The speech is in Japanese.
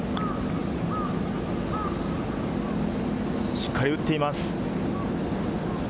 しっかり打っています。